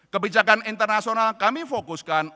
kebijakan internasional kami fokuskan